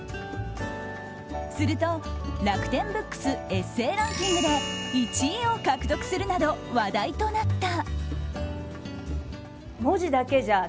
すると楽天ブックスエッセーランキングで１位を獲得するなど話題となった。